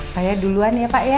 saya duluan ya pak ya